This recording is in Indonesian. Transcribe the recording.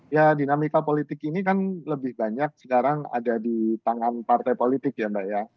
ya dinamika politik ini kan lebih banyak sekarang ada di tangan partai politik ya mbak ya